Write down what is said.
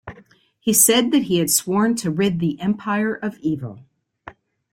He said that he had sworn to rid the empire of evil.